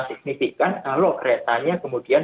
signifikan kalau keretanya kemudian